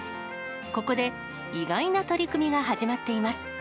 ここで意外な取り組みが始まっています。